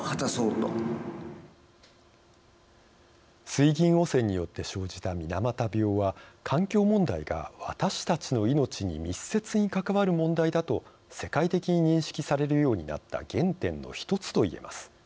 水銀汚染によって生じた水俣病は環境問題が私たちの命に密接に関わる問題だと世界的に認識されるようになった原点の一つといえます。